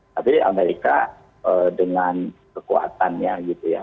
tapi amerika dengan kekuatannya gitu ya